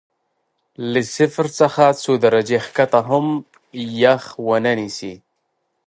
له صفر څخه څو درجې ښکته کې هم یخ ونه نیسي.